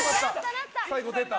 最後出た。